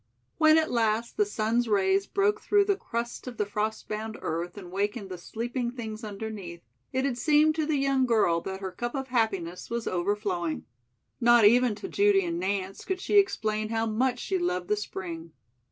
When at last the sun's rays broke through the crust of the frost bound earth and wakened the sleeping things underneath, it had seemed to the young girl that her cup of happiness was overflowing. Not even to Judy and Nance could she explain how much she loved the spring.